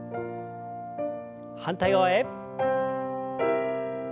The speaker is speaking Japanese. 反対側へ。